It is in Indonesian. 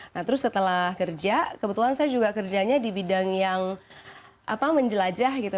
nah terus setelah kerja kebetulan saya juga kerjanya di bidang yang menjelajah gitu